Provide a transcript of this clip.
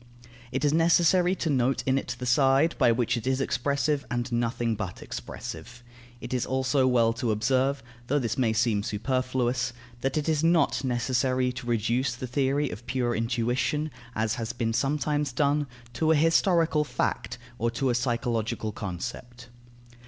It is necessary to note in it the side by which it is expressive, and nothing but expressive. It is also well to observe (though this may seem superfluous) that it is not necessary to reduce the theory of pure intuition, as has been sometimes done, to a historical fact or to a psychological concept.